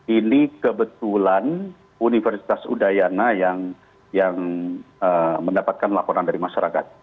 ini kebetulan universitas udayana yang mendapatkan laporan dari masyarakat